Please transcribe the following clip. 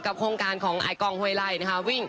และโครงการของไอกองเฮยไร่